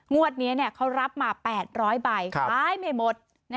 งวดนี้เขารับมา๘๐๐ใบขายไม่หมด